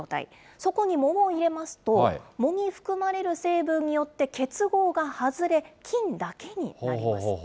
そこに藻を入れますと、藻に含まれる成分によって結合が外れ、金だけになります。